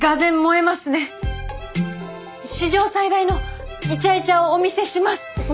史上最大のイチャイチャをお見せします。